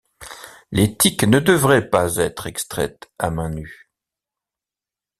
Les tiques ne devraient pas être extraites à main nue.